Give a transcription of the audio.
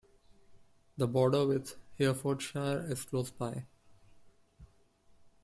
The border with Herefordshire is close by.